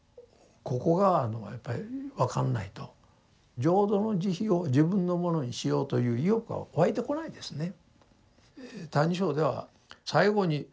ここがあのやっぱり分かんないと浄土の慈悲を自分のものにしようという意欲はわいてこないですね。